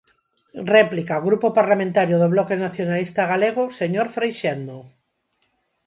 Réplica, Grupo Parlamentario do Bloque Nacionalista Galego, señor Freixendo.